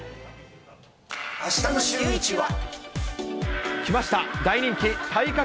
あしたのシューイチは。